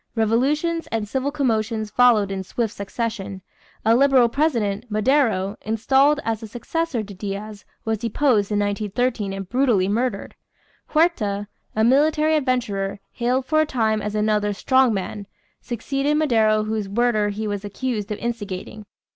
Revolutions and civil commotions followed in swift succession. A liberal president, Madero, installed as the successor to Diaz, was deposed in 1913 and brutally murdered. Huerta, a military adventurer, hailed for a time as another "strong man," succeeded Madero whose murder he was accused of instigating.